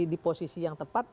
di posisi yang tepat